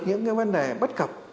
những vấn đề bất cập